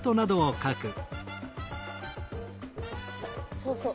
そうそう。